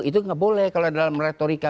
itu nggak boleh kalau dalam retorika